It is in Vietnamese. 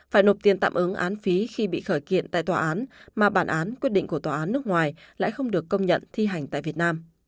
phải nộp tiền tạm ứng án phí khi bị khởi kiện tại tòa án mà bản án quyết định của tòa án nước ngoài lại không được công nhận thi hành tại việt nam